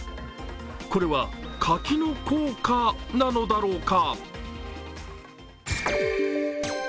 これは柿の効果なのだろうか？